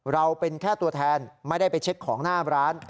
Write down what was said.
เราเป็นแค่ตัวแทนไม่ได้ไปเช็คของหน้าร้าน